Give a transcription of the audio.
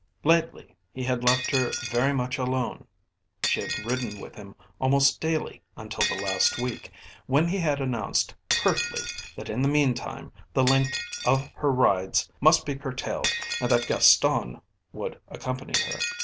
Lately he had left her very much alone; she had ridden with him almost daily until the last week, when he had announced curtly that in the meantime the length of her rides must be curtailed and that Gaston would accompany her.